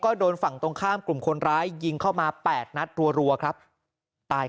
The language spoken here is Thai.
ก็โดนฝั่งตรงข้ามกลุ่มคนร้ายยิงเข้ามา๘นัดรัวครับตาย